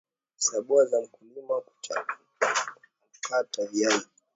sabau za mkulima kuchakata viazi